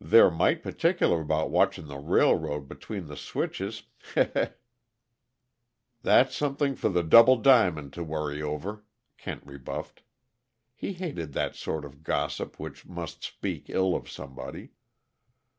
They're might' p'ticular about watchin' the railroad between the switches he he!" "That's something for the Double Diamond to worry over," Kent rebuffed. He hated that sort of gossip which must speak ill of somebody.